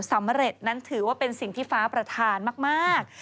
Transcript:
สำเร็จนั้นถือว่าเป็นสิ่งที่ฟ้าประธานมาก